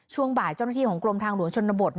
ช่วงบ่ายเจ้าหน้าที่ของกรมทางหลวงชนบท